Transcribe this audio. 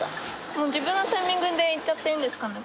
もう自分のタイミングで行っちゃっていいんですかね。